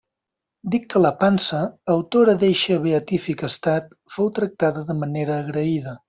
Dic que la pansa, autora d'eixe beatífic estat, fou tractada de manera agraïda.